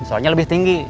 soalnya lebih tinggi